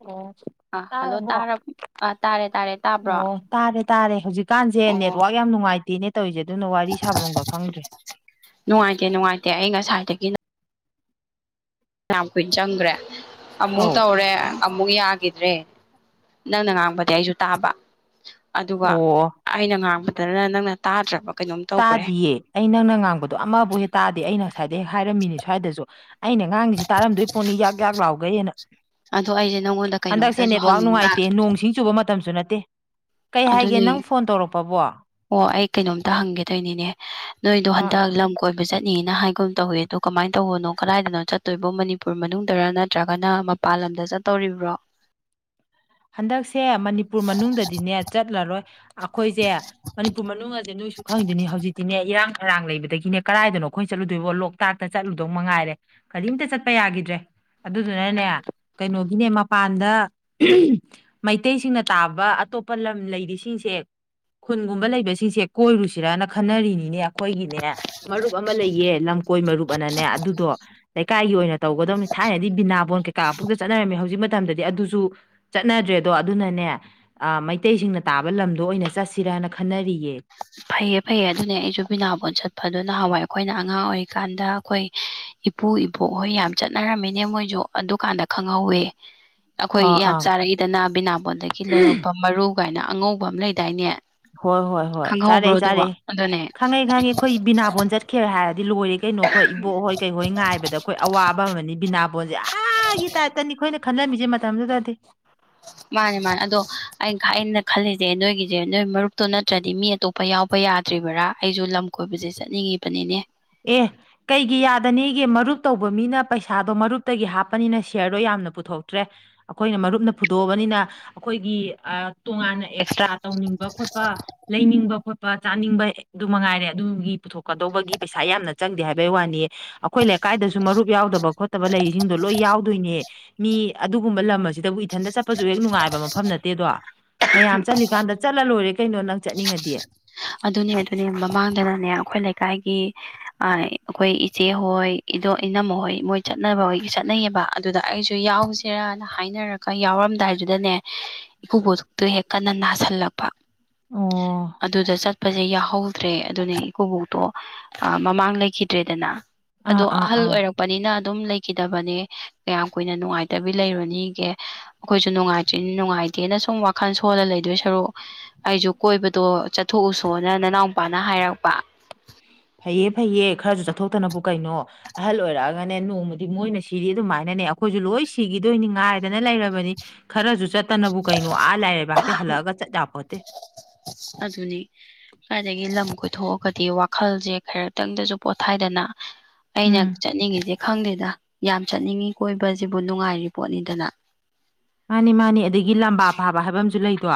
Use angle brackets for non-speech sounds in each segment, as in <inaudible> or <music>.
ꯑꯣ ꯑꯥ ꯍꯜꯂꯣ ꯇꯥꯔꯕꯣ ꯇꯔꯕ ꯑꯥ ꯇꯥꯔꯦ ꯇꯥꯔꯦ ꯇꯥꯕ꯭ꯔꯣ ꯑꯣ ꯇꯥꯔꯦ ꯇꯥꯔꯦ ꯍꯧꯖꯤꯛꯀꯥꯟꯖꯦ ꯑꯣ ꯅꯦꯠꯋꯥꯛ ꯌꯥꯝ ꯅꯨꯡꯉꯥꯏꯇꯦꯅꯦ ꯇꯧꯔꯤꯖꯦ ꯑꯗꯨꯅ ꯋꯥꯔꯤ ꯁꯥꯕꯝꯒ ꯈꯪꯗ꯭ꯔꯦ ꯅꯨꯡꯉꯥꯏꯇꯦ ꯅꯨꯡꯉꯥꯏꯇꯦ ꯑꯩ ꯉꯁꯥꯏꯗꯒꯤ ꯅ ꯐꯅꯤꯌꯥꯝ ꯀꯨꯏꯅ ꯆꯪꯒ꯭ꯔꯦ ꯑꯃꯨꯛ ꯑꯧ ꯇꯧꯔꯦ ꯑꯃꯨꯛ ꯌꯥꯒꯤꯗ꯭ꯔꯦ ꯅꯪꯅ ꯉꯥꯡꯕꯗꯤ ꯑꯩꯖꯨ ꯇꯥꯕ ꯑꯗꯨꯒ ꯑꯣ ꯑꯩꯅ ꯉꯥꯡꯕꯗꯅ ꯅꯪꯅ ꯇꯥꯗ꯭ꯔꯕ ꯀꯩꯅꯣꯝ ꯇꯧꯈ꯭ꯔꯦ ꯇꯥꯗꯤꯌꯦ ꯑꯩ ꯅꯪꯅ ꯉꯥꯡꯕꯗꯣ ꯑꯃꯕꯨꯛ ꯍꯦꯛ ꯇꯥꯗꯦ ꯑꯩꯅ ꯉꯁꯥꯏꯗꯩ ꯍꯥꯏꯔꯝꯃꯤꯅꯦ ꯁ꯭ꯋꯥꯏꯗꯖꯨ ꯑꯩꯅ ꯉꯥꯡꯉꯤꯖꯦ ꯇꯥꯔꯝꯗꯣꯏ ꯄꯣꯠꯅꯤ ꯌꯥꯛ ꯌꯥꯛ ꯂꯥꯎꯒꯩꯅ ꯑꯗꯣ ꯑꯩꯁꯦ ꯅꯪꯉꯣꯟꯗ ꯍꯟꯗꯛꯁꯦ ꯀꯩꯅꯣꯝꯇꯁꯨ ꯅꯦꯠꯋꯥꯛ ꯍꯪꯅꯤꯡꯕ ꯅꯨꯡꯉꯥꯏꯇꯦ ꯅꯣꯡꯆꯤꯡ ꯆꯨꯕ ꯃꯇꯝꯁꯨ ꯅꯠꯇꯦ ꯀꯩ ꯍꯥꯏꯒꯦ ꯑꯗꯨꯅꯦ ꯅꯪ ꯐꯣꯟ ꯇꯧꯔꯛꯄꯥꯕꯣ ꯑꯣ ꯑꯩ ꯀꯩꯅꯣꯝꯇ ꯍꯪꯒꯦꯇꯣꯏꯅꯤꯅꯦ ꯅꯣꯏꯗꯣ ꯍꯟꯗꯛ ꯑꯥ ꯂꯝ ꯀꯣꯏꯕ ꯆꯠꯅꯤꯅ ꯍꯥꯏꯒꯨꯝ ꯇꯧꯋꯦ ꯑꯗꯣ ꯀꯃꯥꯏꯅ ꯇꯧꯕꯅꯣ ꯀꯔꯥꯏꯗꯅꯣ ꯆꯠꯇꯣꯏꯕꯣ ꯃꯅꯤꯄꯨꯔ ꯃꯅꯨꯡꯗꯔ ꯅꯠꯇ꯭ꯔꯒꯅ ꯃꯄꯥꯟ ꯂꯥꯝꯗ ꯆꯠꯇꯣꯔꯤꯕ꯭ꯔꯣ ꯍꯟꯗꯛꯁꯦ ꯃꯅꯤꯄꯨꯔ ꯃꯅꯨꯡꯗꯗꯤꯅꯦ ꯆꯠꯂꯔꯣꯏ ꯑꯈꯣꯏꯖꯦ ꯃꯅꯤꯄꯨꯔ ꯃꯅꯨꯡ ꯑꯗꯤ ꯅꯣꯏꯁꯨ ꯈꯪꯉꯤꯗꯨꯅꯤ ꯍꯧꯖꯤꯛꯇꯤꯅꯦ ꯏꯔꯥꯡ ꯐꯔꯥꯡ ꯂꯩꯕꯗꯒꯤꯅꯦ ꯀꯗꯥꯏꯗꯅꯣ ꯑꯈꯣꯏ ꯆꯠꯂꯨꯗꯣꯏꯕꯣ ꯂꯣꯛ ꯇꯥꯛꯇ ꯆꯠꯂꯨꯗꯧ ꯃꯉꯥꯏꯔꯦ ꯀꯔꯤꯝꯇ ꯆꯠꯄ ꯌꯥꯒꯤꯗ꯭ꯔꯦ ꯑꯗꯨꯗꯨꯅꯅꯦ ꯀꯩꯅꯣꯒꯤꯅꯦ ꯃꯄꯥꯟꯗ ꯎꯝꯍꯝ ꯃꯩꯇꯩꯁꯤꯡꯅ ꯇꯥꯕ ꯑꯇꯣꯞꯄꯥ ꯂꯝ ꯂꯩꯔꯤꯁꯤꯡꯁꯦ ꯈꯨꯟꯒꯨꯝꯕ ꯂꯩꯕꯁꯤꯡꯁꯦ ꯀꯣꯏꯔꯨꯁꯤꯔꯅ ꯈꯟꯅꯔꯤꯅꯤꯅꯦ ꯈꯣꯏꯒꯤꯅꯦ ꯃꯔꯨꯞ ꯑꯃ ꯂꯩꯌꯦ ꯂꯝꯀꯣꯏ ꯃꯔꯨꯞ ꯑꯅꯅꯦ ꯑꯗꯨꯗꯣ ꯏꯀꯥꯏꯒꯤ ꯑꯣꯏꯅ ꯇꯧꯒꯗꯕꯅꯤ ꯊꯥꯏꯅꯗꯤ ꯕꯤꯅꯕꯣꯟ ꯀꯩꯀꯥ ꯄꯨꯡꯆꯠ ꯆꯠꯅꯔꯝꯃꯤ ꯍꯧꯖꯤꯛ ꯃꯇꯝꯗꯗꯤ ꯑꯗꯨꯁꯨ ꯆꯠꯅꯗ꯭ꯔꯦꯗꯣ ꯑꯗꯨꯅꯅꯦ ꯑꯥ ꯃꯩꯇꯩꯁꯤꯡꯅ ꯇꯥꯕ ꯂꯝꯗꯣ ꯑꯣꯏꯅ ꯆꯠꯁꯤꯔꯥꯅ ꯈꯟꯅꯔꯤꯌꯦ ꯐꯩꯌꯦ ꯐꯩꯌꯦ ꯑꯗꯨꯅꯦ ꯑꯩꯖꯨ ꯕꯤꯅꯕꯣꯟ ꯆꯠꯄꯗꯨ ꯅꯍꯥꯋꯥꯏ ꯑꯈꯣꯏꯅ ꯑꯉꯥꯡ ꯑꯣꯏꯔꯤꯀꯥꯟꯗ ꯑꯈꯣꯏ ꯏꯄꯨ ꯏꯕꯣꯛ ꯍꯣꯏ ꯌꯥꯝ ꯆꯠꯅꯔꯝꯃꯤꯅꯦ ꯃꯣꯏꯖꯨ ꯑꯗꯨꯀꯥꯟꯗ ꯈꯪꯍꯧꯋꯦ ꯑꯈꯣꯏ ꯑꯥ ꯌꯥꯝ ꯑꯥ ꯆꯥꯔꯛꯏꯗꯅ ꯕꯤꯅꯕꯣꯟꯗꯒꯤ ꯂꯩꯔꯛꯄ ꯃꯔꯨ ꯀꯥꯏꯅ ꯑꯉꯧꯕ ꯑꯃ ꯂꯩꯗꯥꯏꯅꯦ ꯍꯣꯏ ꯍꯣꯏ ꯍꯣꯏ ꯆꯥꯔꯦ ꯈꯪꯍꯧꯕ꯭ꯔꯣ ꯑꯗꯨꯕꯣ ꯆꯥꯔꯦ ꯑꯗꯨꯅꯦ ꯈꯪꯉꯦ ꯈꯪꯉꯦ ꯑꯈꯣꯏ ꯕꯤꯅꯥꯕꯣꯟ ꯆꯠꯈꯦ ꯍꯥꯏꯔꯗꯤ ꯂꯣꯏꯔꯦ ꯀꯩꯅꯣ ꯈꯣꯏ ꯏꯕꯣꯛꯍꯣꯏ ꯀꯩꯍꯣꯏ ꯉꯥꯏꯕꯗ ꯈꯣꯏ ꯑꯋꯥꯕ ꯑꯃꯅꯤ ꯕꯤꯅꯥꯕꯣꯟꯖꯦ ꯑꯥꯒꯤ ꯇꯥꯏꯞꯇꯅꯤ ꯈꯣꯏꯅ ꯈꯟꯂꯝꯃꯤꯖꯦ ꯃꯇꯝꯗꯨꯗꯗꯤ ꯃꯥꯅꯦ ꯃꯥꯅꯦ ꯑꯗꯣ ꯑꯩꯅ ꯑꯩꯅ ꯈꯜꯂꯤꯖꯦ ꯅꯣꯏꯒꯤꯖꯦ ꯅꯣꯏ ꯃꯔꯨꯞꯇꯣ ꯅꯠꯇ꯭ꯔꯗꯤ ꯃꯤ ꯑꯇꯣꯞꯄ ꯄ ꯌꯥꯎꯕ ꯌꯥꯗ꯭ꯔꯤꯕꯔꯥ ꯑꯩꯖꯨ ꯂꯝ ꯀꯣꯏꯕꯖꯦ ꯆꯠꯅꯤꯡꯉꯤꯕꯅꯤꯅꯦ ꯑꯦ ꯀꯩꯒꯤ ꯌꯥꯗꯅꯤꯒꯦ ꯃꯔꯨꯞ ꯇꯧꯕ ꯃꯤꯅ ꯄꯩꯁꯥꯗꯣ ꯃꯔꯨꯞꯇꯒꯤ ꯍꯥꯞꯄꯅꯤꯅ ꯁꯤꯌꯔꯗꯣ ꯌꯥꯝꯅ ꯄꯨꯊꯣꯛꯇ꯭ꯔꯦ꯫ ꯑꯩꯈꯣꯏꯅ ꯃꯔꯨꯞꯅ ꯐꯨꯗꯣꯛꯑꯕꯅꯤꯅ, ꯑꯩꯈꯣꯏꯒꯤ ꯑꯥ ꯇꯣꯉꯥꯟꯅ ꯑꯦꯛꯁꯇ꯭ꯔꯥ ꯇꯧꯅꯤꯡꯕ ꯈꯣꯠꯄ, ꯂꯩꯅꯤꯡꯕ ꯈꯣꯠꯄ ꯆꯥꯅꯤꯡꯕ ꯑꯗꯨ ꯃꯉꯥꯏꯔꯦ ꯑꯗꯨꯒꯤ ꯄꯨꯊꯣꯛꯀꯗꯧꯕꯒꯤ꯫ ꯄꯩꯁꯥ ꯌꯥꯝꯅ ꯆꯪꯗꯦ ꯍꯥꯏꯕꯩ ꯋꯥꯅꯤ꯫ ꯑꯩꯈꯣꯏ ꯂꯩꯀꯥꯏꯗꯁꯨ ꯃꯔꯨꯞ ꯌꯥꯎꯗꯕ ꯈꯣꯠꯇꯕ ꯂꯩꯁꯤꯡꯗꯣ ꯂꯣꯏ ꯌꯥꯎꯗꯣꯏꯅꯦ꯫ ꯃꯤ ꯑꯗꯨꯒꯨꯝꯕ ꯂꯝ ꯑꯁꯤꯗꯕꯨ ꯏꯊꯟꯇ ꯆꯠꯄꯁꯨ ꯍꯦꯛ ꯅꯨꯡꯉꯥꯏꯕ ꯃꯐꯝ ꯅꯠꯇꯦꯗꯣ꯫ ꯃꯌꯥꯝ ꯆꯠꯂꯤꯀꯥꯟꯗ ꯆꯠꯂ ꯂꯣꯏꯔꯦ ꯀꯩꯅꯣ ꯅꯪ ꯆꯠꯅꯤꯡꯉꯗꯤ꯫ ꯑꯗꯨꯅꯦ ꯑꯗꯨꯅꯦ ꯃꯃꯥꯡꯗꯅꯅꯦ ꯑꯩꯈꯣꯏ ꯂꯩꯀꯥꯏꯒꯤ, ꯑꯥ ꯑꯩꯈꯣꯏ ꯏꯆꯦꯍꯣꯏ ꯏꯗꯣ ꯏꯅꯝꯍꯣꯏ ꯃꯣꯏ ꯆꯠꯅꯕꯣꯏ ꯆꯠꯅꯩꯌꯦꯕ꯫ ꯑꯗꯨꯗ ꯑꯩꯁꯨ ꯌꯥꯎꯁꯤꯔꯅ ꯍꯥꯏꯅꯔꯒ ꯌꯥꯎꯔꯝꯗꯥꯏꯗꯨꯗꯅꯦ, ꯏꯀꯨꯕꯣꯛꯇꯨ ꯍꯦꯛ ꯀꯟꯅ ꯅꯥꯁꯜꯂꯛꯄ꯫ ꯑꯣ ꯑꯗꯨꯗ ꯆꯠꯄꯁꯦ ꯌꯥꯍꯧꯗ꯭ꯔꯦ ꯑꯗꯨꯅꯦ ꯏꯀꯣꯕꯣꯛꯇꯣ ꯃꯃꯥꯡ ꯂꯩꯈꯤꯗ꯭ꯔꯦꯗꯅ꯫ ꯑꯗꯣ ꯑꯥ ꯑꯥ ꯑꯍꯜ ꯑꯥ ꯑꯣꯏꯔꯛꯄꯅꯤꯅ ꯑꯗꯨꯝ ꯂꯩꯈꯤꯗꯕꯅꯦ꯫ ꯀꯌꯥꯝ ꯀꯨꯏꯅ ꯅꯨꯡꯉꯥꯏꯇꯕꯤ ꯂꯩꯔꯨꯅꯤꯒꯦ꯫ ꯑꯈꯣꯏꯁꯨ ꯅꯨꯡꯉꯥꯏꯇ꯭ꯔꯤꯅꯤ ꯅꯨꯡꯉꯥꯏꯇꯦꯅ ꯁꯨꯝ ꯋꯥꯈꯜ ꯁꯣꯜꯂ ꯂꯩꯗꯣꯏ ꯁꯔꯨꯛ ꯑꯩꯁꯨ ꯀꯣꯏꯕꯗꯣ ꯆꯠ ꯊꯣꯛꯎꯁꯣꯅ ꯅꯅꯥꯎꯄꯥꯅ ꯍꯥꯏꯔꯛꯄ꯫ ꯐꯩꯌꯦ ꯐꯩꯌꯦ ꯈꯔꯁꯨ ꯆꯠꯊꯣꯛꯇꯅꯕꯨ ꯀꯩꯅꯣ꯫ ꯑꯍꯜ ꯑꯣꯏꯔꯛꯑꯒꯅꯦ ꯅꯣꯡꯃꯗꯤ ꯃꯣꯏꯅ ꯁꯤꯔꯤ ꯑꯗꯨꯃꯥꯏꯅꯅꯦ ꯑꯩꯈꯣꯏꯁꯨ ꯂꯣꯏ ꯁꯤꯈꯤꯗꯣꯏꯅꯤ ꯉꯥꯏꯗꯅ ꯂꯩꯔꯕꯅꯤ꯫ ꯈꯔꯁꯨ ꯆꯠꯇꯅꯕꯨ ꯀꯩꯅꯣ ꯑꯥ ꯂꯥꯏ ꯂꯩꯕꯥꯛꯇꯤ ꯍꯜꯂꯛꯑꯒ ꯆꯠ ꯌꯥꯄꯣꯠꯇꯦ꯫ ꯑꯗꯨꯅꯤ꯫ ꯑꯗꯒꯤ ꯂꯝ ꯀꯣꯏꯊꯣꯛꯑꯒꯗꯤ ꯋꯥꯈꯜꯁꯦ ꯈꯔꯛꯇꯪꯗꯁꯨ ꯄꯣꯊꯥꯏꯗꯅ꯫ ꯑꯩꯅ ꯎꯝ ꯆꯠꯅꯤꯡꯉꯤꯁꯦ ꯈꯪꯗꯦꯗ ꯌꯥꯝ ꯆꯠꯅꯤꯡꯉꯤ ꯀꯣꯏꯕꯁꯤꯕꯨ ꯅꯨꯡꯉꯥꯏꯔꯤ ꯄꯣꯠꯅꯤꯗꯅ꯫ ꯃꯥꯅꯤ ꯃꯥꯅꯤ ꯑꯗꯒꯤ ꯂꯝꯕꯥ ꯄꯥꯕ ꯍꯥꯏꯕ ꯑꯃꯁꯨ ꯂꯩꯗꯣ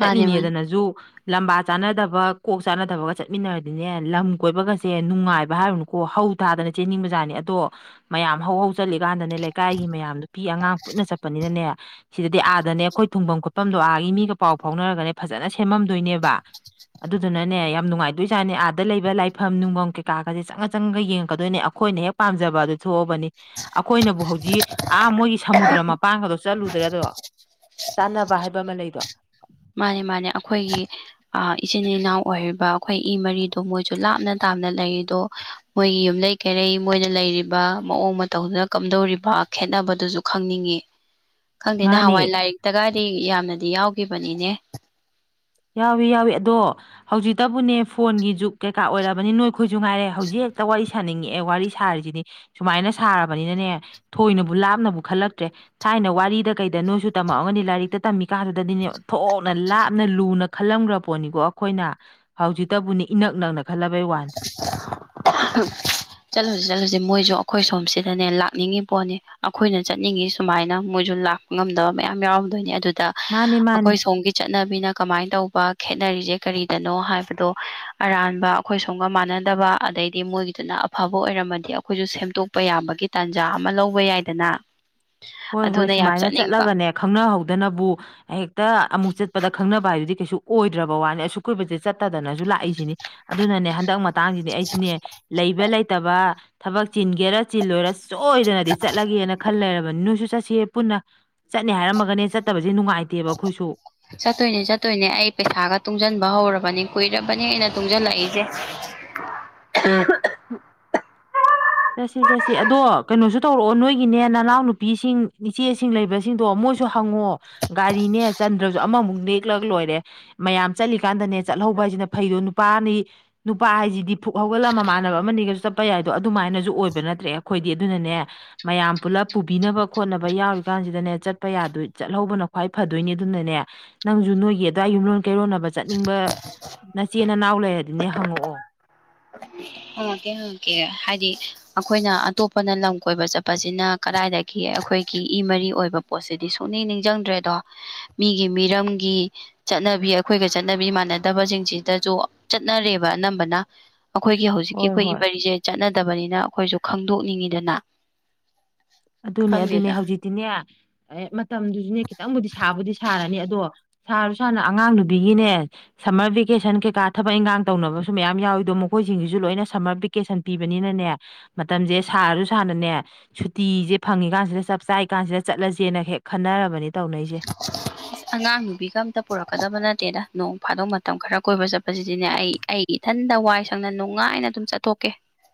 ꯃꯥꯅꯦ ꯃꯥꯅꯦ ꯂꯝꯕꯥ ꯆꯥꯅꯗꯕ ꯀꯣꯛ ꯆꯥꯅꯗꯕꯒ ꯆꯠꯃꯤꯟꯅꯔꯗꯤꯅꯦ ꯂꯝ ꯀꯣꯏꯕꯒꯁꯦ ꯅꯨꯡꯉꯥꯏꯕ ꯍꯥꯏꯔꯨꯅꯨ꯫ ꯀꯣ ꯍꯧ ꯊꯥꯗꯅ ꯆꯦꯟꯅꯤꯡꯕꯖꯥꯅꯤ ꯑꯗꯣ ꯃꯌꯥꯝ ꯍꯧ ꯍꯧ ꯆꯠꯂꯤꯀꯥꯟꯗꯅꯦ ꯂꯩꯀꯥꯏꯒꯤ ꯃꯌꯥꯝ ꯅꯨꯄꯤ ꯑꯉꯥꯡ ꯄꯨꯠꯟꯅ ꯆꯠꯄꯅꯤꯅꯅꯦ, ꯁꯤꯗꯗꯤ ꯑꯥꯗꯅꯦ ꯑꯩꯈꯣꯏ ꯊꯨꯡꯐꯝ ꯈꯣꯠꯐꯝꯗꯣ ꯑꯥꯒꯤ ꯃꯤꯒ ꯄꯥꯎ ꯐꯥꯎꯅꯔꯒꯅꯦ ꯐꯖꯅ ꯁꯦꯝꯃꯝꯗꯣꯏꯅꯦꯕ꯫ ꯑꯗꯨꯗꯨꯅꯅꯦ ꯌꯥꯝ ꯅꯨꯡꯉꯥꯏꯗꯣꯏꯖꯥꯅꯦ ꯑꯥꯗ ꯂꯩꯕ ꯂꯥꯏꯐꯝ ꯅꯨꯡꯐꯝ ꯀꯩꯀꯥꯒꯁꯦ ꯆꯪꯉ ꯆꯪꯉꯒ ꯌꯦꯡꯉꯛꯀꯗꯣꯏꯅꯦ ꯑꯩꯈꯣꯏꯅ ꯍꯦꯛ ꯄꯥꯝꯖꯕ ꯑꯗꯨ ꯊꯣꯛꯑꯕꯅꯤ ꯑꯩꯈꯣꯏꯅꯕꯨ ꯍꯧꯖꯤꯛ ꯑꯥ ꯃꯣꯏꯒꯤ ꯁꯃꯨꯗ꯭ꯔ ꯃꯄꯥꯡꯒꯗꯣ ꯆꯠꯂꯨꯗ꯭ꯔꯥ ꯑꯗꯣ ꯆꯥꯟꯅꯕ ꯍꯥꯏꯕ ꯑꯃ ꯂꯩꯗꯣ꯫ ꯃꯥꯅꯤ ꯃꯥꯅꯦ ꯑꯈꯣꯏꯒꯤ, ꯑ ꯏꯆꯤꯟ ꯏꯅꯥꯎ ꯑꯣꯏꯔꯤꯕ ꯑ ꯈꯣꯏ ꯏ ꯃꯔꯤꯗꯣ ꯃꯣꯏꯁꯨ ꯂꯥꯞꯅ ꯇꯥꯞꯅ ꯂꯩꯔꯤꯗꯣ, ꯃꯣꯏꯒꯤ ꯌꯨꯝꯂꯩ ꯀꯩꯔꯩ ꯃꯣꯏꯅ ꯂꯩꯔꯤꯕ ꯃꯑꯣꯡ ꯃꯇꯧꯗꯨꯅ ꯀꯝꯗꯧꯔꯤꯕ ꯈꯦꯠꯅꯕꯗꯨꯁꯨ ꯈꯪꯅꯤꯡꯉꯤ꯫ ꯈꯪꯗꯦ ꯅꯍꯥꯟꯋꯥꯏ ꯃꯥꯅꯦ ꯂꯥꯏꯔꯤꯛꯇꯒꯥꯗꯤ ꯌꯥꯝꯅꯗꯤ ꯌꯥꯎꯒꯤꯈꯤꯕꯅꯤꯅꯦ꯫ ꯌꯥꯎꯏ ꯌꯥꯎꯏ ꯑꯗꯣ ꯍꯧꯖꯤꯛꯇꯕꯨꯅꯦ ꯐꯣꯟꯒꯤ ꯖꯨꯛ ꯀꯩꯀꯥ ꯑꯣꯏꯔꯕꯅꯤ ꯅꯣꯏ ꯈꯣꯏꯁꯨ ꯉꯥꯏꯔꯦ ꯍꯧꯖꯤꯛꯇ ꯋꯥꯔꯤ ꯁꯥꯅꯤꯡꯉꯛꯑꯦ ꯋꯥꯔꯤ ꯁꯥꯔꯤꯁꯤꯗꯤ ꯁꯨꯃꯥꯏꯅ ꯁꯥꯔꯕꯅꯤꯅꯅꯦ, ꯊꯣꯏꯅꯕꯨ ꯂꯥꯞꯅꯕꯨ ꯈꯜꯂꯛꯇ꯭ꯔꯦ꯫ ꯊꯥꯏꯅ ꯋꯥꯔꯤꯗ ꯀꯩꯗ ꯅꯣꯏꯁꯨ ꯇꯝꯃꯛꯑꯝꯒꯅꯤ ꯂꯥꯏꯔꯤꯛꯇ ꯇꯝꯃꯤ ꯀꯥꯟꯗꯗꯤꯅꯦ ꯑꯣꯟꯊꯣꯛꯅ ꯂꯥꯞꯅ ꯂꯨꯅ ꯈꯜꯂꯝꯈ꯭ꯔ ꯄꯣꯠꯅꯤꯀꯣ ꯑꯈꯣꯏꯅ ꯍꯧꯖꯤꯛꯇꯕꯨꯅꯤ ꯏꯅꯛ ꯅꯛꯅ ꯈꯜꯂꯕꯩ ꯋꯥꯅꯤ꯫ <unintelligible> ꯆꯠꯂꯨꯁꯤ ꯆꯠꯂꯨꯁꯤ ꯃꯣꯏꯁꯨ ꯑꯩꯈꯣꯏ ꯁꯣꯝ ꯁꯤꯗꯅꯦ ꯂꯥꯛꯅꯤꯡꯉꯤ ꯄꯣꯠꯅꯤ ꯑꯩꯈꯣꯏꯅ ꯆꯠꯅꯤꯡꯉꯤ ꯁꯨꯃꯥꯏꯅ ꯃꯣꯏꯁꯨ ꯂꯥꯛ ꯉꯝꯗꯕ ꯃꯌꯥꯝ ꯌꯥꯎꯔꯝꯗꯣꯏꯅꯦ ꯑꯗꯨꯗ ꯃꯥꯅꯤ ꯃꯥꯅꯤ ꯑꯩꯈꯣꯏ ꯁꯣꯝꯒꯤ ꯆꯠꯅꯕꯤꯅ ꯀꯃꯥꯏꯅ ꯇꯧꯕ ꯈꯦꯠꯅꯔꯤꯁꯦ ꯀꯔꯤꯗꯅꯣ ꯍꯥꯏꯕꯗꯣ ꯑꯔꯥꯟꯕ ꯈꯣꯏ ꯁꯣꯝꯒ ꯃꯥꯟꯅꯗꯕ ꯑꯗꯩꯗꯤ ꯃꯣꯏꯒꯤꯗꯨꯅ ꯑꯐꯕ ꯑꯣꯏꯔꯝꯃꯗꯤ ꯑꯈꯣꯏꯁꯨ ꯁꯦꯝꯗꯣꯛꯄ ꯌꯥꯕꯒꯤ ꯇꯥꯟꯖꯥ ꯑꯃ ꯂꯧꯕ ꯌꯥꯏꯗꯅ ꯍꯣꯏ ꯍꯣꯏ ꯑꯗꯨꯅ ꯌꯥꯝ ꯁꯨꯃꯥꯏꯅ ꯆꯠꯅꯤꯡꯕ ꯆꯠꯂꯒꯅꯦ ꯈꯪꯅꯍꯧꯗꯅꯕꯨ ꯍꯦꯛꯇ ꯑꯃꯨꯛ ꯆꯠꯄꯗ ꯈꯪꯅꯕ ꯍꯥꯏꯗꯨꯗꯤ ꯀꯩꯁꯨ ꯑꯣꯏꯗ꯭ꯔꯕ ꯋꯥꯅꯤ ꯑꯁꯨꯛ ꯀꯩꯏꯕꯖꯦ ꯆꯠꯇꯗꯅꯖꯨ ꯂꯥꯛꯏꯁꯤꯅꯤ ꯑꯗꯨꯅꯅꯦ ꯍꯟꯗꯛ ꯃꯇꯥꯡꯁꯤꯗꯤ ꯑꯩꯁꯨꯅꯦ ꯂꯩꯕ ꯂꯩꯇꯕ ꯊꯕꯛ ꯆꯤꯟꯒꯦꯔ ꯆꯤꯜꯂꯣꯏꯔ ꯆꯣꯏꯗꯅꯗꯤ ꯆꯠꯂꯒꯦꯅ ꯈꯜ ꯂꯩꯔꯕꯅꯤ ꯅꯨꯏ ꯆꯨ ꯆꯠꯁꯦ ꯄꯨꯟꯅ ꯆꯠꯅꯦ ꯍꯥꯏꯔꯝꯃꯒꯅꯦ ꯆꯠꯇꯕꯖꯦ ꯅꯨꯡꯉꯥꯏꯇꯦꯕ ꯑꯈꯣꯏꯁꯨ ꯆꯠꯇꯣꯏꯅꯦ ꯆꯠꯇꯣꯏꯅꯦ ꯑꯩ ꯄꯩꯁꯥꯒ ꯇꯨꯡꯁꯟꯕ ꯍꯧꯔꯕꯅꯤ ꯀꯨꯏꯔꯕꯅꯦ ꯑꯩꯅ ꯇꯨꯡꯁꯤꯜꯂꯛꯏꯁꯦ ꯎꯝ ꯆꯠꯁꯤ ꯆꯠꯁꯤ ꯑꯗꯣ ꯀꯩꯅꯣꯁꯨ ꯇꯧꯔꯛꯑꯣ ꯅꯣꯏꯒꯤꯅꯦ ꯅꯅꯥꯎ ꯅꯨꯄꯤꯁꯤꯡ ꯏꯆꯦꯁꯤꯡ ꯂꯩꯕ ꯖꯤꯡꯗꯣ ꯃꯣꯏꯁꯨ ꯍꯪꯉꯣ ꯒꯥꯔꯤꯅꯦ ꯆꯟꯗ꯭ꯔꯖꯨ ꯑꯃꯃꯨꯛ ꯅꯦꯛꯂꯛ ꯂꯣꯏꯔꯦ ꯃꯌꯥꯝ ꯆꯠꯂꯤꯀꯥꯟꯗꯅꯦ ꯆꯠꯍꯧꯕ ꯍꯥꯏꯖꯤꯅ ꯐꯩꯗꯣ ꯅꯨꯄꯥꯅꯤ ꯅꯨꯄꯥ ꯍꯥꯏꯁꯤꯗꯤ ꯐꯨꯛ ꯍꯧꯒꯠꯂ ꯃꯃꯥꯟꯅꯕ ꯑꯃꯅꯤꯒꯁꯨ ꯆꯠꯄ ꯌꯥꯏꯗꯣ ꯑꯗꯣ ꯑꯗꯨꯃꯥꯏꯅꯖꯨ ꯑꯣꯏꯕ ꯅꯠꯇ꯭ꯔꯦ ꯑꯈꯣꯏꯗꯤ ꯑꯗꯨꯅꯅꯦ ꯃꯌꯥꯝ ꯄꯨꯂꯞ ꯄꯨꯕꯤꯅꯕ ꯈꯣꯠꯅꯕ ꯌꯥꯎꯔꯤꯀꯥꯟꯖꯤꯗꯅꯦ ꯆꯠꯄ ꯌꯥꯗꯨꯏ ꯆꯠꯍꯧꯕꯅ ꯈ꯭ꯋꯥꯏ ꯐꯗꯣꯏꯅꯤ ꯑꯗꯨꯅꯅꯦ ꯅꯪꯖꯨ ꯅꯣꯏꯒꯤ ꯑꯗꯨꯋꯥꯏ ꯌꯨꯝꯂꯣꯟ ꯀꯩꯔꯣꯟꯅꯕ ꯆꯠꯅꯤꯡꯕ ꯅꯆꯦ ꯅꯅꯥꯎ ꯂꯩꯔꯗꯤꯅꯦ ꯍꯪꯉꯛꯑꯣ <inaudible> ꯍꯪꯉꯛꯀꯦ ꯍꯪꯉꯛꯀꯦ ꯍꯥꯏꯗꯤ ꯑꯈꯣꯏꯅ ꯑꯇꯣꯞꯄꯅ ꯂꯝ ꯀꯣꯏꯕ ꯆꯠꯄꯁꯤꯅ ꯀꯗꯥꯏꯗꯒꯤ ꯑꯈꯣꯏꯒꯤ ꯏ ꯃꯔꯤ ꯑꯣꯏꯕ ꯄꯣꯠꯁꯤꯗꯤ ꯁꯨꯡꯅꯤꯡ ꯅꯤꯡꯖꯪꯗ꯭ꯔꯦꯗꯣ ꯃꯤꯒꯤ ꯃꯤꯔꯝꯒꯤ ꯆꯠꯅꯕꯤ ꯑꯈꯣꯏꯒ ꯆꯠꯅꯕꯤ ꯃꯥꯟꯅꯗꯕꯁꯤꯡ ꯖꯤꯗꯁꯨ ꯆꯠꯅꯔꯦꯕ ꯑꯅꯝꯕꯅ ꯑꯈꯣꯏꯒꯤ ꯍꯧ ꯍꯣꯏ ꯑꯩꯈꯣꯏꯒꯤ ꯍꯣꯏ ꯃꯔꯤꯁꯦ ꯆꯠꯅꯗꯕꯅꯤꯅ ꯑꯈꯣꯏꯁꯨ ꯈꯪꯗꯣꯛꯅꯤꯡꯉꯤꯗꯅ ꯑꯗꯨꯅꯦ ꯑꯗꯨꯅꯦ ꯈꯪꯗꯦꯗ ꯍꯧꯖꯤꯛꯇꯤꯅꯦ ꯑꯦ ꯃꯇꯝꯗꯨꯁꯨꯅꯦ ꯈꯤꯇꯪꯕꯨꯗꯤ ꯁꯥꯕꯨꯗꯤ ꯁꯥꯔꯅꯤ ꯑꯗꯣ ꯁꯥꯔꯁꯨ ꯁꯥꯅ ꯑꯉꯥꯡ ꯅꯨꯕꯤꯒꯤꯅꯦ ꯁꯝꯃꯔ ꯚꯦꯀꯦꯁꯟ ꯀꯩꯀꯥ ꯊꯕꯛ ꯏꯟꯒꯥꯡ ꯇꯧꯅꯕꯁꯨ ꯃꯌꯥꯝ ꯌꯥꯎꯋꯤꯗꯣ ꯃꯈꯣꯏꯁꯤꯡꯁꯤꯁꯨ ꯂꯣꯏꯅ ꯁꯝꯃꯔ ꯕꯤꯛ ꯀꯦꯁꯟ ꯄꯤꯕꯅꯤꯅꯅꯦ ꯃꯇꯝꯖꯦ ꯁꯥꯔꯁꯨ ꯁꯥꯅꯅꯦ ꯁꯨꯠ ꯇꯤꯖꯦ ꯐꯪꯉꯤ ꯀꯥꯟꯖꯤꯗ ꯆꯞ ꯆꯥꯏ ꯀꯥꯟꯖꯤꯗ ꯆꯠꯂꯖꯦꯅ ꯍꯦꯛ ꯈꯟꯅꯔꯕꯅꯤ ꯇꯧꯅꯩꯖꯦ <unintelligible> ꯑꯉꯥꯡ ꯅꯨꯕꯤꯒ ꯑꯝꯇ ꯄꯨꯔꯛꯀꯗꯕ ꯅꯠꯇꯦꯗ ꯅꯣꯡ ꯐꯥꯗꯣꯛ ꯃꯇꯝ ꯈꯔ ꯀꯣꯏꯕ ꯆꯞꯄꯖꯤꯗꯤꯅꯦ ꯑꯩ ꯑꯩ ꯏꯊꯟꯗ ꯋꯥꯏ ꯁꯪꯅ ꯅꯨꯡꯉꯥꯏꯅ ꯑꯗꯨꯝ ꯆꯠꯊꯣꯛꯀꯦ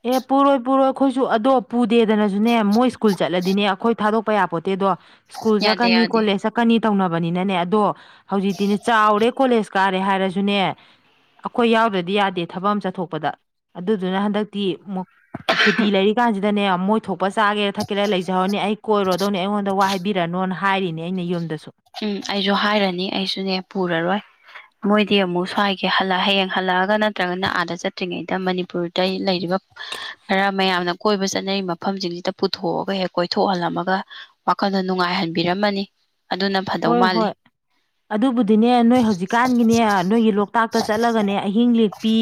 ꯑꯦ ꯄꯨꯔꯣꯏ ꯄꯨꯔꯣꯏ ꯑꯈꯣꯏꯁꯨ ꯑꯗꯣ ꯄꯨꯗꯦꯗꯅꯖꯨꯅꯦ ꯃꯣꯏ ꯁ꯭ꯀꯨꯜ ꯆꯠꯂꯗꯤꯅꯦ ꯑꯈꯣꯏ ꯊꯥꯗꯣꯛꯄ ꯌꯥꯄꯣꯠꯇꯦꯗꯣ ꯁ꯭ꯀꯨꯜ ꯌꯥꯗꯦ ꯆꯠꯀꯅꯤ ꯌꯥꯗꯦ ꯀꯣꯂꯦꯖ ꯆꯠ ꯀꯅꯤ ꯇꯧꯅꯕꯅꯤꯅꯅꯦ ꯑꯗꯣ ꯍꯧꯖꯤꯛꯇꯤꯅꯦ ꯆꯥꯎꯔꯦ ꯀꯣꯂꯦꯁ ꯀꯥꯔꯦ ꯍꯥꯏꯔꯁꯨꯅꯦ ꯑꯈꯣꯏ ꯌꯥꯎꯗ꯭ꯔꯗꯤ ꯌꯥꯗꯦ ꯊꯕꯛ ꯑꯝ ꯆꯠꯊꯣꯛꯄꯗ ꯑꯗꯨꯗꯨꯅ ꯍꯟꯗꯛ ꯇꯤ ꯃꯛ ꯁꯨꯇꯤ ꯂꯩꯔꯤꯀꯥꯟꯖꯤ ꯗꯅꯦ ꯃꯣꯏ ꯊꯣꯛꯄ ꯆꯥꯒꯦꯔꯥ ꯊꯛꯀꯦꯔꯥ ꯂꯩꯖꯍꯧꯔꯅꯤ ꯑꯩ ꯀꯣꯏꯔꯣꯗꯧꯅꯦ ꯑꯩꯉꯣꯟꯗ ꯋꯥ ꯍꯥꯏꯕꯤꯔꯅꯣꯅ ꯍꯥꯏꯔꯤꯅꯦ ꯑꯩꯅ ꯌꯨꯝꯗꯁꯨ ꯎꯝ ꯑꯩꯁꯨ ꯍꯥꯏꯔꯅꯤ ꯑꯩꯁꯨꯅꯦ ꯄꯨꯔꯔꯣꯏ ꯃꯣꯏꯗꯤ ꯑꯃꯨꯛ ꯁ꯭ꯋꯥꯏꯒꯤ ꯍꯜꯂ ꯍꯌꯦꯡ ꯍꯜꯂꯛꯑꯒ ꯅꯠꯇ꯭ꯔꯒꯅ ꯑꯥꯗ ꯆꯠꯇ꯭ꯔꯤꯉꯩꯗ ꯃꯅꯤꯄꯨꯔꯗ ꯂꯩꯔꯤꯕ ꯈꯔ ꯃꯌꯥꯝꯅ ꯀꯣꯏꯕꯁꯤ ꯆꯠꯅꯩ ꯃꯐꯝꯖꯤꯡꯖꯤꯗ ꯄꯨꯊꯣꯛꯑꯒ ꯍꯦꯛ ꯀꯣꯏꯊꯣꯛꯍꯜꯂꯝꯃꯒ ꯋꯥꯈꯜꯗꯣ ꯅꯨꯡꯉꯥꯏꯍꯟꯕꯤꯔꯝꯃꯅꯤ ꯑꯗꯨꯅꯝ ꯍꯣꯏ ꯍꯣꯏ ꯑꯗꯨꯕꯨꯗꯤꯅꯦ ꯅꯣꯏ ꯍꯧꯖꯤꯛꯀꯥꯟꯒꯤꯅꯦ ꯅꯣꯏꯒꯤ ꯂꯣꯛꯇꯥꯛꯇ ꯆꯠꯂꯒꯅꯦ ꯑꯍꯤꯡ ꯂꯦꯛꯄꯤ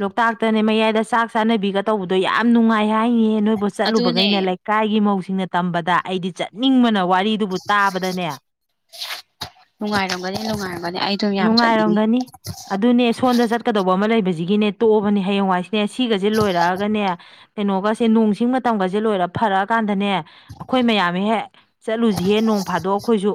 ꯂꯣꯛꯇꯥꯛꯇꯅꯦ ꯃꯌꯥꯏꯗ ꯆꯥꯛ ꯆꯥꯅꯕꯤꯒ ꯇꯧꯕꯗꯣ ꯌꯥꯝ ꯅꯨꯡꯉꯥꯏ ꯍꯥꯏꯅꯤꯌꯦ ꯅꯣꯏꯕꯨ ꯑꯗꯨꯅꯦ ꯆꯠꯂꯨꯕꯒꯩꯅ ꯂꯩꯀꯥꯏꯒꯤ ꯃꯧꯁꯤꯡꯅ ꯇꯝꯕꯗ ꯑꯩꯗꯤ ꯆꯠꯅꯤꯡꯕꯅ ꯋꯥꯔꯤ ꯗꯨꯕꯨ ꯇꯥꯕꯗꯅꯦ ꯅꯨꯡꯉꯥꯏꯔꯝꯒꯅꯤ ꯅꯨꯡꯉꯥꯏꯔꯝꯒꯅꯤ ꯑꯩ ꯗꯨꯝ ꯌꯥꯝ ꯆꯠꯅꯤꯡꯉꯤ ꯅꯨꯡꯉꯥꯏꯔꯝꯒꯅꯤ ꯑꯗꯨꯅꯦ ꯁꯣꯟꯗ ꯆꯠꯀꯗꯧꯕ ꯑꯃ ꯂꯩꯕꯖꯤꯒꯤꯅꯦ ꯇꯣꯛꯑꯕꯅꯦ ꯍꯌꯦꯡꯋꯥꯏꯁꯤꯅꯦ ꯁꯤꯒꯖꯦ ꯂꯣꯏꯔꯛꯑꯒꯅꯦ ꯀꯩꯅꯣꯒꯁꯦ ꯅꯣꯡ ꯁꯤꯡ ꯃꯇꯝꯒꯖꯦ ꯂꯣꯏꯔ ꯐꯔꯛꯑꯀꯥꯟꯗꯅꯦ ꯑꯈꯣꯏ ꯃꯌꯥꯝ ꯍꯦꯛ ꯆꯠꯂꯨꯖꯤꯍꯦ ꯅꯣꯡ ꯐꯥꯗꯣꯛ ꯑꯈꯣꯏꯖꯨ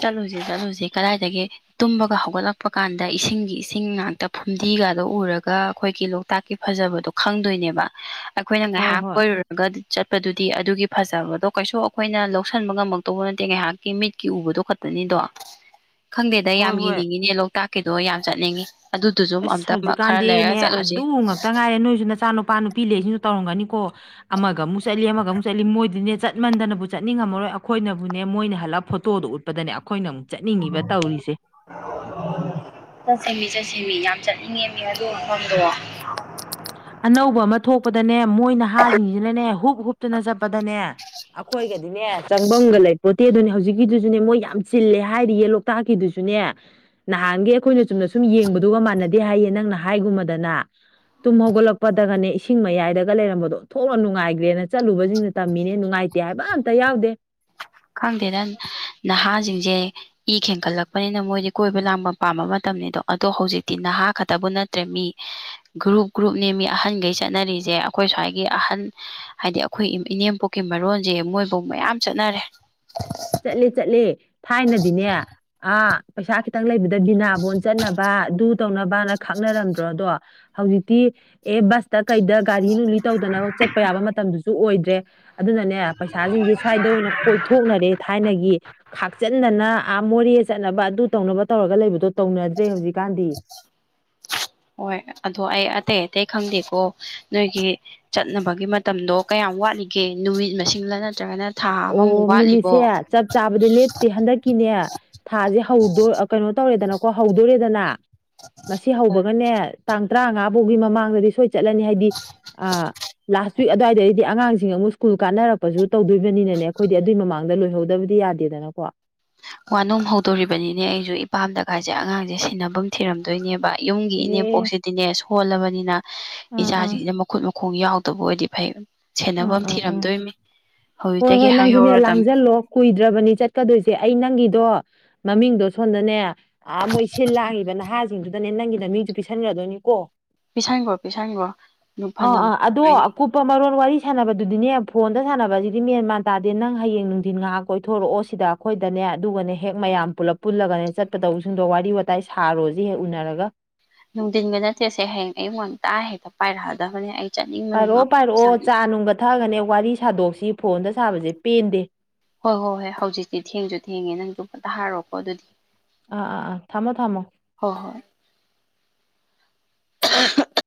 ꯆꯠꯂꯨꯖꯤ ꯆꯠꯂꯨꯖꯤ ꯀꯗꯥꯏꯗꯒꯤ ꯇꯨꯝꯕꯒ ꯍꯧꯒꯠꯂꯛ ꯄ ꯀꯥꯟꯗ ꯏꯁꯤꯡꯒꯤ ꯏꯁꯤꯡ ꯉꯥꯛꯇ ꯐꯨꯝꯗꯤꯒꯗꯣ ꯎꯔꯒ ꯑꯈꯣꯏꯒꯤ ꯂꯣꯛꯇꯥꯛꯀꯤ ꯐꯖꯕꯗꯣ ꯈꯪꯗꯣꯏꯅꯦꯕ ꯑꯩꯈꯣꯏꯅ ꯍꯣꯏ ꯉꯥꯏꯍꯥꯛ ꯍꯣꯏ ꯀꯣꯏꯔꯨ ꯒꯗꯤ ꯆꯠꯄꯗꯨꯗꯤ ꯑꯗꯨꯒꯤ ꯐꯖꯕꯗꯣ ꯀꯩꯁꯨ ꯑꯈꯣꯏꯅ ꯂꯧꯁꯟꯕ ꯉꯝꯃꯛꯇꯧꯕ ꯅꯠꯇꯦ ꯉꯩꯍꯥꯛꯀꯤ ꯃꯤꯠꯀꯤ ꯎꯕꯗꯣ ꯈꯣꯠꯇꯅꯤꯗꯣ ꯈꯪꯗꯦꯗ ꯌꯥꯝ ꯍꯣꯏ ꯍꯣꯏ ꯌꯦꯡꯅꯤꯡꯉꯤꯅꯦ ꯂꯣꯛꯇꯥꯛꯀꯤꯗꯣ ꯌꯥꯝ ꯆꯠꯅꯤꯡꯉꯤ ꯑꯗꯨꯗꯨꯁꯨ ꯑꯁ ꯑꯝꯇ ꯈꯔ ꯍꯧꯖꯤꯛꯀꯥꯟꯗꯤꯅꯦ ꯂꯩꯔꯒ ꯆꯠꯂꯨꯁꯦ ꯑꯗꯨ ꯉꯛꯇ ꯉꯥꯏꯔꯦ ꯅꯣꯏꯖꯨ ꯅꯆꯥꯅꯨ ꯄꯥ ꯅꯨꯄꯤ ꯂꯩꯔꯤꯖꯤꯡꯗꯣ ꯇꯧꯔꯝꯒꯅꯤꯀꯣ ꯑꯃꯒ ꯑꯃꯨꯛ ꯆꯠꯂꯤ ꯑꯃꯒ ꯑꯃꯨꯛ ꯆꯠꯂꯤ ꯃꯣꯏꯗꯨꯅꯦ ꯆꯠꯃꯟꯗꯅꯕꯨ ꯆꯠꯅꯤꯡꯉꯝꯃꯔꯣꯏ ꯑꯈꯣꯏꯅꯕꯨꯅꯦ ꯃꯣꯏꯅ ꯍꯜꯂꯛ ꯐꯣꯇꯣꯗꯣ ꯎꯠꯄꯗꯅꯦ ꯑꯈꯣꯏꯅꯃꯨꯛ ꯆꯠꯅꯤꯡꯉꯤꯕ ꯇꯧꯔꯤꯖꯦ ꯆꯠꯁꯦꯃꯤ ꯆꯠꯁꯦꯃꯤ ꯌꯥꯝ ꯆꯠꯅꯤꯡꯉꯦ ꯃꯤ ꯑꯗꯨ ꯃꯐꯝꯗꯣ ꯑꯅꯧꯕ ꯑꯃ ꯊꯣꯛꯄꯗꯅꯦ ꯃꯣꯏ ꯅꯍꯥꯖꯤꯡꯖꯤꯅꯅꯦ ꯍꯨꯨꯞ ꯍꯨꯞꯇꯨꯅ ꯆꯠꯄꯗꯅꯦ ꯑꯈꯣꯏꯒꯗꯤꯅꯦ ꯆꯪꯕꯝꯒ ꯂꯩꯄꯣꯠꯇꯦꯗꯨꯅꯦ ꯍꯧꯖꯤꯛꯀꯤꯗꯨꯖꯨꯅꯦ ꯃꯣꯏ ꯌꯥꯝ ꯆꯤꯜꯂꯦ ꯍꯥꯏꯔꯤꯌꯦ ꯂꯣꯛ ꯇꯥꯛ ꯒꯤꯗꯨꯖꯨꯅꯦ ꯅꯍꯥꯟꯒꯤ ꯑꯈꯣꯏꯅ ꯆꯨꯝꯅ ꯁꯨꯝ ꯌꯦꯡꯕꯗꯨꯒ ꯃꯥꯟꯅꯗꯦ ꯍꯥꯏꯌꯦ ꯅꯪꯅ ꯍꯥꯏꯒꯨꯝꯃꯗꯅ ꯇꯨꯝ ꯍꯧꯒꯠꯂꯛꯄꯗꯒꯅꯦ ꯏꯁꯤꯡ ꯃꯌꯥꯏꯗꯒ ꯂꯩꯔꯝꯕꯗꯣ ꯑꯣꯟꯊꯣꯛꯅ ꯅꯨꯡꯉꯥꯏꯒ꯭ꯔꯦꯅ ꯆꯠꯂꯨꯕꯖꯤꯡꯅ ꯇꯝꯃꯤꯅꯦ ꯅꯨꯡꯉꯥꯏꯇꯦ ꯍꯥꯏꯕ ꯑꯝꯇ ꯌꯥꯎꯗꯦ ꯈꯪꯗꯦꯗ ꯅꯍꯥꯖꯤꯡꯖꯦ ꯏ ꯈꯦꯡꯒꯠꯂꯛꯄꯅꯤꯅ ꯃꯣꯏꯗꯤ ꯀꯣꯏꯕ ꯂꯥꯡꯕ ꯄꯥꯝꯕ ꯃꯇꯝꯅꯤꯗꯣ ꯑꯗꯣ ꯍꯧꯖꯤꯛꯇꯤ ꯅꯍꯥ ꯈꯛꯇꯕꯨ ꯅꯠ ꯇ꯭ꯔꯦ ꯃꯤ ꯒ꯭ꯔꯨꯞ ꯒ꯭ꯔꯨꯞꯅꯦ ꯃꯦ ꯑꯍꯟꯒꯩ ꯆꯠꯅꯔꯤꯖꯦ ꯑꯈꯣꯏ ꯁ꯭ꯋꯥꯏꯒꯤ ꯑꯍꯟ ꯍꯥꯏꯗꯤ ꯑꯈꯣꯏ ꯏꯅꯦꯝꯄꯣꯛꯀꯤ ꯃꯔꯣꯟꯖꯦ ꯃꯣꯏꯕꯧ ꯃꯌꯥꯝ ꯆꯠꯅꯔꯦ ꯆꯠꯂꯦ ꯆꯠꯂꯦ ꯊꯥꯏꯅꯗꯤꯅꯦ ꯑ ꯄꯩꯁꯥ ꯈꯤꯇꯪ ꯂꯩꯕꯗ ꯕꯤꯅꯥꯕꯣꯟ ꯆꯠꯅꯕ ꯑꯗꯨ ꯇꯧꯅꯕꯅ ꯈꯥꯛꯅꯔꯝꯗ꯭ꯔꯣꯗꯣ ꯍꯧꯖꯤꯛꯇꯤ ꯑꯦ ꯕꯁꯇ ꯀꯩꯗ ꯒꯥꯔꯤ ꯅꯨꯡꯂꯤ ꯇꯧꯗꯅ ꯆꯠꯄ ꯌꯥꯕ ꯃꯇꯝꯗꯨꯖꯨ ꯑꯣꯏꯗ꯭ꯔꯦ ꯑꯗꯨꯅꯅꯦ ꯄꯩꯁꯥꯖꯤꯡꯖꯦ ꯁ꯭ꯋꯥꯏꯗ ꯑꯣꯏꯅ ꯀꯣꯏꯊꯣꯛꯅꯔꯦ ꯊꯥꯏꯅꯒꯤ ꯈꯥꯛꯆꯟꯗꯅ ꯑꯥ ꯃꯣꯔꯦ ꯆꯠꯅꯕ ꯑꯗꯨ ꯇꯧꯅꯕ ꯇꯧꯔꯒ ꯂꯩꯕꯗꯣ ꯇꯧꯅꯗ꯭ꯔꯦ ꯍꯧꯖꯤꯛꯀꯥꯟꯗꯤ ꯍꯣꯏ ꯑꯗꯣ ꯑꯩ ꯑꯇꯩ ꯑꯇꯩ ꯈꯪꯗꯦꯀꯣ ꯅꯣꯏꯒꯤ ꯆꯠꯅꯕꯒꯤ ꯃꯇꯝꯗꯣ ꯀꯌꯥꯝ ꯋꯥꯠꯂꯤꯒꯦ ꯅꯨꯃꯤꯠ ꯃꯁꯤꯡꯂ ꯅꯠꯇ꯭ꯔꯒꯅ ꯊꯥ ꯑꯣ ꯑꯃꯃꯨꯛ ꯋꯥꯠꯂꯤꯕꯣ ꯅꯨꯃꯤꯠꯁꯦ ꯆꯞ ꯆꯥꯕꯗꯤ ꯂꯦꯞꯇ꯭ꯔꯤ ꯍꯟꯗꯛꯀꯤꯅꯦ ꯊꯥꯖꯦ ꯍꯧꯗꯣ ꯑꯥ ꯀꯩꯅꯣ ꯇꯧꯔꯦꯗꯅꯀꯣ ꯍꯧꯗꯣꯔꯦꯗꯅ ꯃꯁꯤ ꯍꯧꯕꯒꯅꯦ ꯇꯥꯡ ꯇꯔꯥꯉꯥ ꯕꯧꯒꯤ ꯃꯃꯥꯡꯗꯗꯤ ꯁꯣꯏ ꯆꯠꯂꯅꯤ ꯍꯥꯏꯗꯤ ꯑ ꯂꯥꯁ ꯋꯤꯛ ꯑꯗ꯭ꯋꯥꯏꯗꯩꯗꯤ ꯑꯉꯥꯡꯁꯤꯡ ꯑꯃꯨꯛ ꯁ꯭ꯀꯨꯜ ꯀꯥꯟꯅꯔꯛꯄꯖꯨ ꯇꯧꯗꯣꯏ ꯕꯅꯤꯅꯅꯦ ꯑꯈꯣꯏꯗꯤ ꯑꯗꯨꯏ ꯃꯃꯥꯡꯗ ꯂꯣꯏꯍꯧꯗꯕꯗꯤ ꯌꯥꯗꯦꯗꯅꯀꯣ ꯋꯥꯅꯣꯝ ꯍꯧꯗꯣꯔꯤꯕꯅꯤꯅꯦ ꯑꯩꯖꯨ ꯏꯄꯥꯝꯗꯒꯖꯦ ꯑꯉꯥꯡꯖꯦ ꯁꯦꯅꯕꯝ ꯊꯤꯔꯝꯗꯣꯏꯅꯦꯕ ꯌꯨꯝꯒꯤ ꯑꯦ ꯏꯅꯦꯄꯣꯛꯁꯤꯗꯤꯅꯦ ꯁꯣꯜꯂꯕꯅꯤꯅ ꯑꯥ ꯑꯥ ꯏꯆꯥꯖꯤꯡꯖꯤꯅ ꯃ ꯈꯨꯠ ꯃꯈꯣꯡ ꯌꯥꯎꯗꯕ ꯑꯣꯏꯗꯤ ꯐꯩ ꯑꯥ ꯁꯦꯟꯅꯕꯝ ꯑꯥ ꯑꯥ ꯊꯤꯔꯝꯗꯣꯏꯝꯅꯤ ꯍꯣꯏ ꯍꯧꯖꯤꯛꯇꯒꯤ ꯍꯣꯏ ꯅꯪꯁꯨꯅꯦ ꯍꯥꯏꯍꯧꯔꯗꯝ ꯂꯥꯡꯁꯤꯜꯂꯣ ꯀꯨꯏꯗ꯭ꯔꯕꯅꯤ ꯆꯠꯀꯗꯣꯏꯖꯦ ꯑꯩ ꯅꯪꯒꯤꯗꯣ ꯃꯃꯤꯡꯗꯣ ꯁꯣꯟꯗꯅꯦ ꯑ ꯃꯣꯏ ꯁꯤꯟ ꯂꯥꯡꯉꯤꯕ ꯅꯍꯥꯖꯤꯡꯡꯗꯨꯗꯅꯦ ꯅꯪꯒꯤ ꯅꯃꯤꯡꯖꯨ ꯄꯤꯁꯟꯒ꯭ꯔꯗꯣꯏꯅꯤꯀꯣ ꯄꯤꯁꯟꯒ꯭ꯔꯣ ꯄꯤꯁꯟꯒ꯭ꯔꯣ ꯗꯨ ꯐꯅꯕꯨ ꯅꯨꯡꯉꯥꯏꯅꯤ ꯄ ꯃꯔꯣꯟ ꯋꯔꯤ ꯁꯥꯟꯅꯕꯗꯨꯗꯤꯅꯦ ꯐꯣꯟꯗ ꯁꯥꯟꯅꯕꯖꯤꯗꯤ ꯃꯦꯟ ꯃꯥꯟ ꯇꯥꯗꯦ ꯅꯪ ꯍꯌꯦꯡ ꯅꯨꯡꯊꯤꯟ ꯉꯍꯥꯛ ꯀꯣꯏꯊꯣꯔꯛꯑꯣ ꯁꯤꯗ ꯑꯩꯈꯣꯏꯗꯅꯦ ꯑꯗꯨꯒꯅꯦ ꯍꯦꯛ ꯃꯌꯥꯝ ꯄꯨꯂꯞ ꯄꯨꯜꯂꯒꯅꯦ ꯆꯠꯄꯗꯧꯕꯁꯤꯡꯗꯣ ꯋꯥꯔꯤ ꯋꯥꯇꯥꯏ ꯁꯥꯔꯣꯁꯤ ꯍꯦꯛ ꯎꯅꯔꯒ ꯅꯨꯡꯊꯤꯟꯒ ꯅꯠꯇꯦꯁꯦ ꯍꯌꯦꯡ ꯑꯌꯨꯛ ꯉꯟꯇꯥ ꯍꯦꯛꯇ ꯄꯥꯏꯔꯛꯑꯗꯕꯅꯦ ꯑꯩ ꯆꯠꯅꯤꯡꯕꯅ ꯄꯥꯏꯔꯛꯑꯣ ꯉꯥꯎ ꯄꯥꯏꯔꯛꯑꯣ ꯆꯥ ꯅꯨꯡꯒ ꯊꯛꯑꯒꯅꯦ ꯋꯥꯔꯤ ꯁꯥꯗꯣꯛꯁꯤ ꯐꯣꯟꯗ ꯁꯥꯕꯁꯦ ꯄꯦꯟꯗꯦ ꯍꯣꯏ ꯍꯣꯏ ꯍꯣꯏ ꯍꯧꯖꯤꯛꯇꯤ ꯊꯦꯡꯁꯨ ꯊꯦꯡꯉꯦ ꯅꯪꯖꯨ ꯄꯣꯊꯥꯔꯣꯀꯣ ꯑꯗꯨꯗꯤ ꯑꯥ ꯑꯥ ꯑꯥ ꯊꯝꯃꯣ ꯊꯝꯃꯣ ꯍꯣꯏ ꯍꯣꯏ ꯑ <unintelligible>